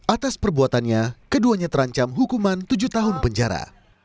atas perbuatannya keduanya terancam hukuman tujuh tahun penjara